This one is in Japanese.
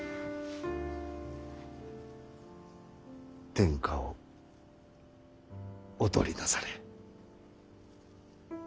天下をお取りなされ。